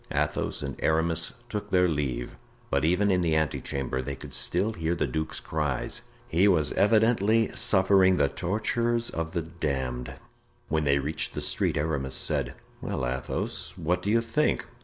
Athos and Aramis took their leave, but even in the ante chamber they could still hear the duke's cries; he was evidently suffering the tortures of the damned. When they reached the street, Aramis said: "Well, Athos, what do you think?"